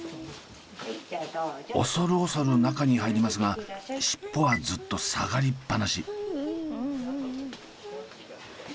恐る恐る中に入りますが尻尾はずっと下がりっぱなし。